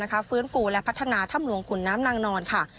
ฟื้นฟูและพัฒนาถ้ำหลวงขุนน้ำนางนอนค่ะ